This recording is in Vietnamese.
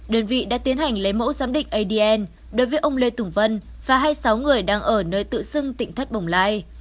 đơn vị đã tiến hành lấy mẫu giám định adn đối với ông lê tùng vân và hai mươi sáu người đang ở nơi tự xưng tỉnh thất bồng lai